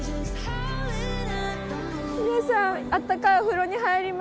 皆さん温かいお風呂に入りましょう。